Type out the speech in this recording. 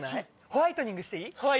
ホワイトニングしていい？